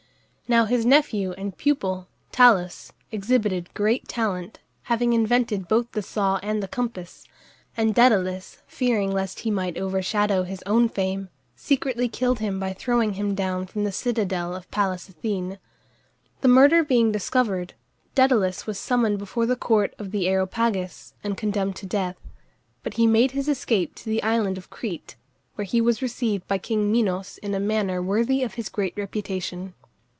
Now his nephew and pupil, Talus, exhibited great talent, having invented both the saw and the compass, and Dædalus, fearing lest he might overshadow his own fame, secretly killed him by throwing him down from the citadel of Pallas Athene. The murder being discovered, Dædalus was summoned before the court of the Areopagus and condemned to death; but he made his escape to the island of Crete, where he was received by king Minos in a manner worthy of his great reputation.